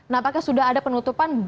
nampaknya sudah ada penutupan